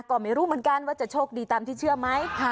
ก็ไม่รู้เหมือนกันว่าจะโชคดีตามที่เชื่อไหม